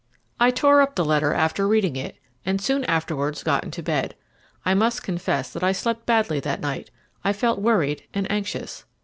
I tore up the letter after reading it, and soon afterwards got into bed. I must confess that I slept badly that night; I felt worried and anxious.